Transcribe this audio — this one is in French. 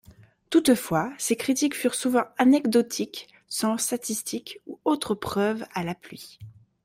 Toutefois, ces critiques furent souvent anecdotiques, sans statistiques ou autre preuve à l'appui.